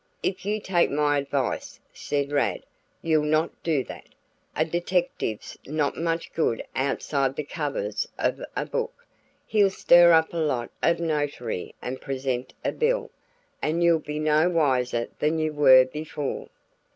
"If you take my advice," said Rad, "you'll not do that. A detective's not much good outside the covers of a book. He'll stir up a lot of notoriety and present a bill; and you'll be no wiser than you were before."